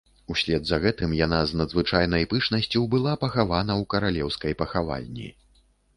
Услед за гэтым яна з надзвычайнай пышнасцю была пахавана ў каралеўскай пахавальні.